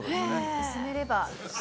薄めれば。